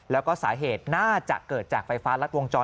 แล้วก็สาเหตุน่าจะเกิดจากไฟฟ้ารัดวงจร